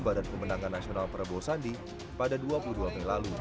badan pemenangan nasional prabowo sandi pada dua puluh dua mei lalu